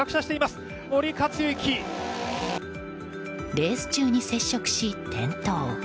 レース中に接触し転倒。